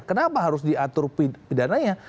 kenapa harus diatur pidananya